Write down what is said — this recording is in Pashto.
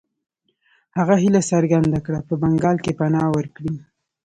هغه هیله څرګنده کړه په بنګال کې پناه ورکړي.